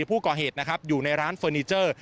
ผู้ก่อเหตุนะครับอยู่ในร้านเฟอร์นิเจอร์